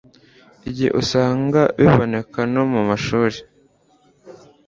gihe usanga biboneka no mu mashuri